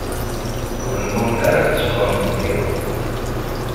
Ur nnumen ara tteffɣen deg iḍ.